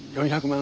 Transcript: ４００万！？